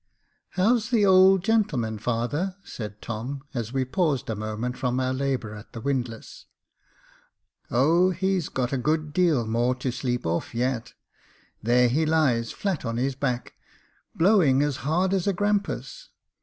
"How's the old gentleman, father ?" said Tom, as we paused a moment from our labour at the windlass. " Oh ! he's got a good deal more to sleep off yet. There he lies, flat on his back, blowing as hard as a grampus.